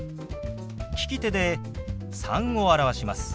利き手で「３」を表します。